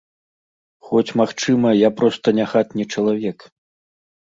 Хоць, магчыма, я проста не хатні чалавек.